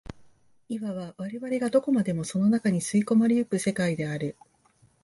いわば我々がどこまでもその中に吸い込まれ行く世界である。